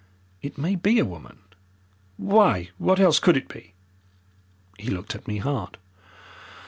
It may be a woman " "Why, what else COULD it be?" He looked at me hard.